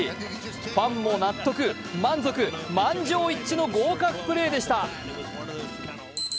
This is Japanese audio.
ファンも納得、満足、満場一致の合格プレーでした。